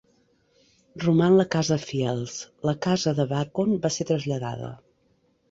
Roman la casa Fields; la casa de Bacon va ser traslladada.